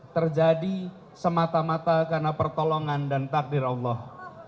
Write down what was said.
terjadi semata mata karena pertolongan dan takdir allah